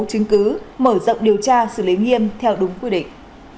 chứng cứ mở rộng điều tra xử lý nghiêm theo đúng quy định